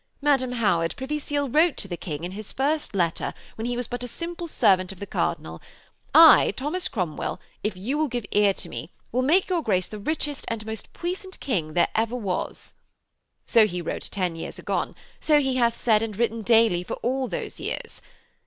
Madam Howard: Privy Seal wrote to the King in his first letter, when he was but a simple servant of the Cardinal, "I, Thomas Cromwell, if you will give ear to me, will make your Grace the richest and most puissant king ever there was." So he wrote ten years agone; so he hath said and written daily for all those years.